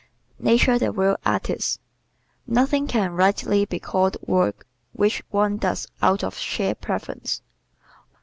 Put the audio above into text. Nature the Real Artist ¶ Nothing can rightly be called work which one does out of sheer preference.